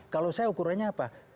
kalau saya ukurannya apa